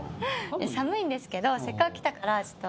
寒いんですけどせっかく来たからちょっと。